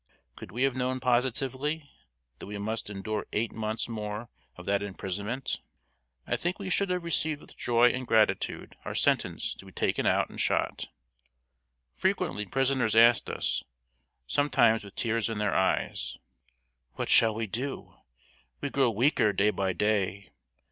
Could we have known positively that we must endure eight months more of that imprisonment, I think we should have received with joy and gratitude our sentence to be taken out and shot. Frequently prisoners asked us, sometimes with tears in their eyes: "What shall we do? We grow weaker day by day.